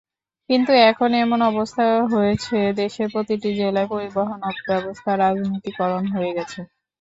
কিন্তু এখন এমন অবস্থা হয়েছে, দেশের প্রতিটি জেলায় পরিবহনব্যবস্থা রাজনীতিকরণ হয়ে গেছে।